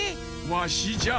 わしじゃ。